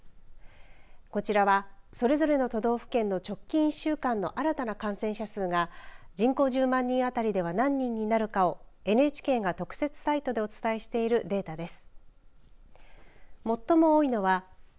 こちらは、それぞれの都道府県の直近１週間の新たな感染者数が人口１０万人当たりでは何人になるかをＮＨＫが特設サイトでお伝えしているデータです。